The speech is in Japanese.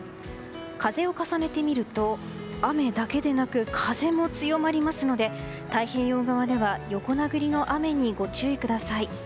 風を重ねてみると雨だけでなく風も強まりますので、太平洋側では横殴りの雨に、ご注意ください。